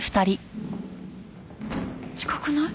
近くない？